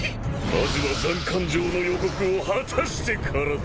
まずは斬奸状の予告を果たしてからだ！